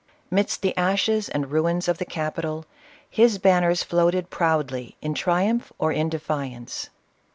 Midst the ashes and ruins of the capital, his banners floated proudly in triumph or in defiance.